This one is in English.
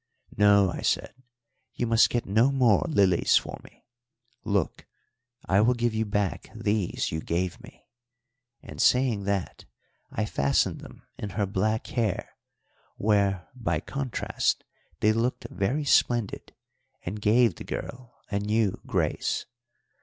"No," I said, "you must get no more lilies for me. Look, I will give you back these you gave me." And, saying that, I fastened them in her black hair, where by contrast they looked very splendid, and gave the girl a new grace.